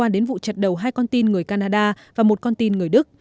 đặt đầu hai con tin người canada và một con tin người đức